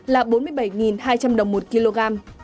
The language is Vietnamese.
là bốn mươi bảy hai trăm linh đồng một kg